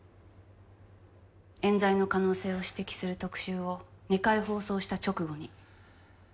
えん罪の可能性を指摘する特集を２回放送した直後に。